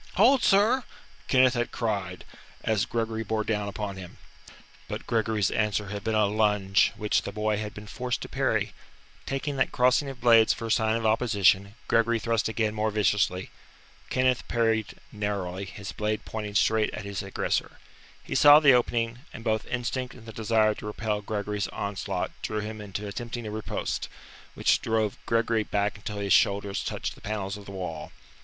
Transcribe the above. "Hold, sir!" Kenneth had cried, as Gregory bore down upon him. But Gregory's answer had been a lunge which the boy had been forced to parry. Taking that crossing of blades for a sign of opposition, Gregory thrust again more viciously. Kenneth parried narrowly, his blade pointing straight at his aggressor. He saw the opening, and both instinct and the desire to repel Gregory's onslaught drew him into attempting a riposte, which drove Gregory back until his shoulders touched the panels of the wall.